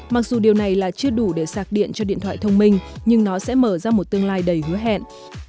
mặc dù điều này là chưa đủ để sạc điện cho điện thoại thông minh nhưng nó sẽ mở ra một tương lai đầy hứa hẹn